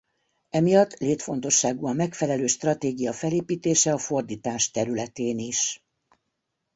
Emiatt létfontosságú a megfelelő stratégia felépítése a fordítás területén is.